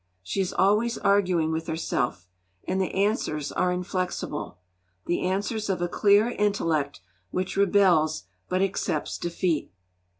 She is always arguing with herself, and the answers are inflexible, the answers of a clear intellect which rebels but accepts defeat.